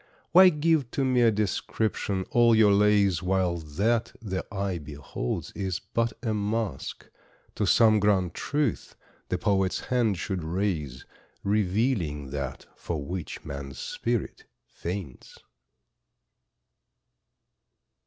Why give to mere description all your lays While what the eye beholds is but a mask To some grand truth the poet's hand should raise, Revealing that for which man's spirit faints.